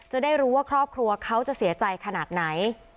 จะได้รู้ว่าครอบครัวเขาจะเสียใจขนาดไหน